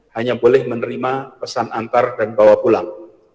hanya boleh menerima pesan antar dan bawa pulang